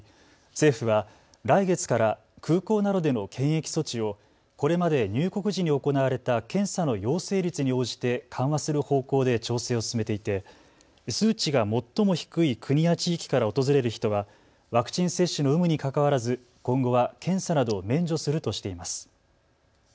政府は来月から空港などでの検疫措置をこれまで入国時に行われた検査の陽性率に応じて緩和する方向で調整を進めていて数値が最も低い国や地域から訪れる人はワクチン接種の有無にかかわらず今後は検査などを免除するとしています。